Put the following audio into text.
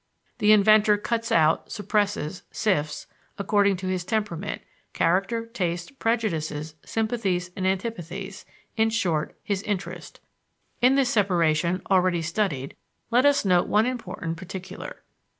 The inventor cuts out, suppresses, sifts, according to his temperament, character, taste, prejudices, sympathies and antipathies in short, his interest. In this separation, already studied, let us note one important particular.